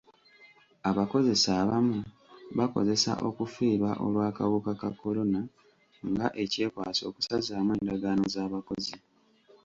Abakozesa abamu bakozesa okufiirwa olw'akawuka ka corona nga ekyekwaso okusazaamu endagaano z'abakozi.